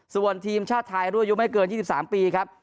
ส่วนทีมชาติไทยรุ่นอายุไม่เกิน๒๓ปีครับ